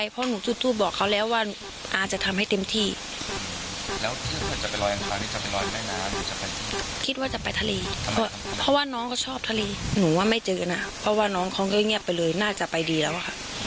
เพราะว่าน้องเขาก็เงียบไปเลยน่าจะไปดีแล้วค่ะ